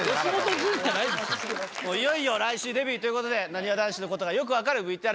いよいよ来週デビューということでなにわ男子のことがよく分かるＶＴＲをご用意しました。